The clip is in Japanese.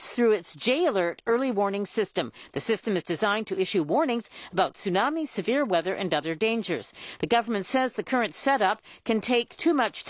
Ｊアラート